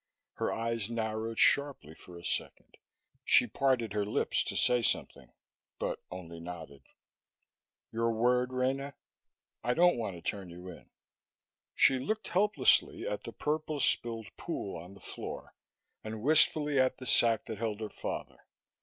Her eyes narrowed sharply for a second. She parted her lips to say something, but only nodded. "Your word, Rena? I don't want to turn you in." She looked helplessly at the purple spilled pool on the floor, and wistfully at the sack that held her father.